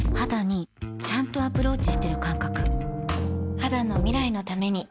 肌の未来のために